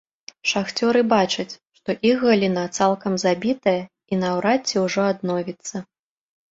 Шахцёры бачаць, што іх галіна цалкам забітая і наўрад ці ўжо адновіцца.